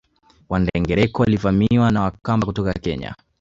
Wandengereko walivamiwa na Wakamba kutoka Kenya